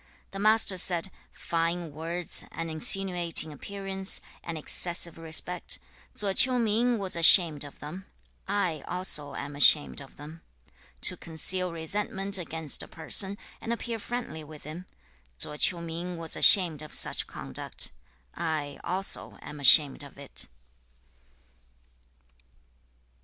The Master said, 'Fine words, an insinuating appearance, and excessive respect; Tso Ch'iu ming was ashamed of them. I also am ashamed of them. To conceal resentment against a person, and appear friendly with him; Tso Ch'iu ming was ashamed of such conduct. I also am ashamed of it.'